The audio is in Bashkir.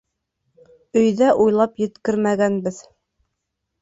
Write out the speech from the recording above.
Өйҙә уйлап еткермәгәнбеҙ.